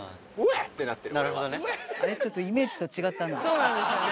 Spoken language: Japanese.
そうなんですよね。